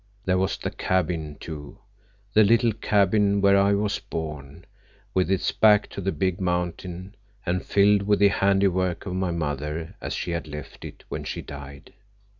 There was the cabin, too; the little cabin where I was born, with its back to the big mountain, and filled with the handiwork of my mother as she had left it when she died.